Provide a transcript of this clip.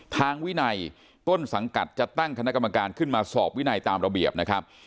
ทางวินัยต้นสังกัดจะตั้งคณะกรรมการขึ้นมาสอบวินัยตามระเบียบนะครับ